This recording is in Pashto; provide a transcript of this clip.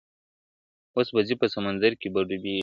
اوس به ځي په سمندر کی به ډوبیږي !.